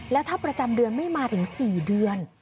แล้วถ้าประจำเดือนไม่มาถึง๔เดือน